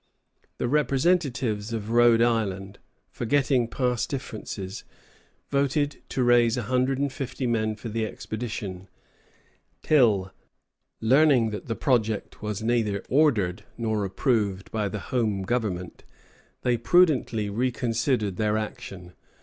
The Representatives of Rhode Island, forgetting past differences, voted to raise a hundred and fifty men for the expedition, till, learning that the project was neither ordered nor approved by the Home Government, they prudently reconsidered their action.